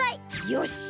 よし！